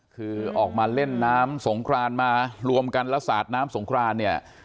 คือออกมาเล่นน้ำสงครานมารวมกันแล้วสาดน้ำสงครานเนี่ย